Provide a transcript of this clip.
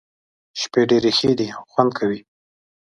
شپې ډېرې ښې دي او خوند کوي.